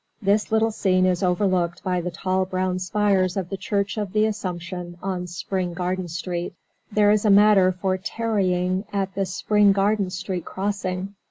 This little scene is overlooked by the tall brown spires of the Church of the Assumption on Spring Garden Street. There is matter for tarrying at the Spring Garden Street crossing.